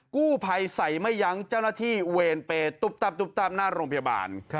กู้ภัยใส่ไม่ยั้งเจ้าหน้าที่เวรเปย์ตุ๊บตับตุ๊บตั้มหน้าโรงพยาบาล